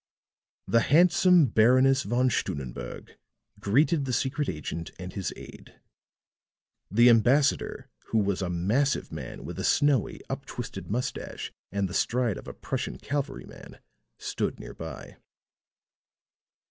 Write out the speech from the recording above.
The handsome Baroness Von Stunnenberg greeted the secret agent and his aide; the ambassador, who was a massive man with a snowy, up twisted moustache and the stride of a Prussian cavalryman, stood near by.